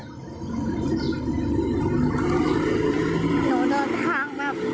หนูเดินทางแบบเจ็บมากกว่าปลูกเหรอ